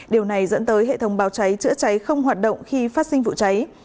điều này dẫn tới hệ thống báo cháy chữa cháy không hoạt động khi phát sinh vụ cháy